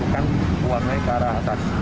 sedang berlapis ke atas